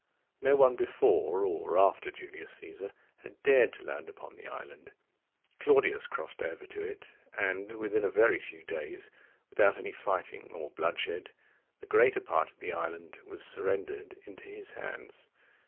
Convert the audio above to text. No one before or after Julius Caesar had dared to land upon the island. Claudius crossed over to it, and within a very few days, without any fighting or bloodshed, the greater part of the island was surrendered into his hands.